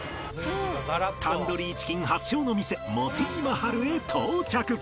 タンドリーチキン発祥の店モティ・マハルへ到着